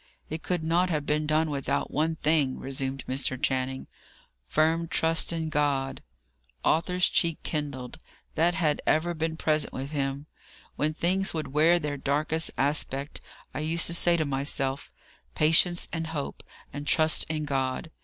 "It could not have been done without one thing," resumed Mr. Channing: "firm trust in God." Arthur's cheek kindled. That had ever been present with him. "When things would wear their darkest aspect, I used to say to myself, 'Patience and hope; and trust in God!